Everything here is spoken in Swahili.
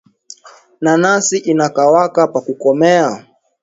Nanasi inakawaka pa kukomea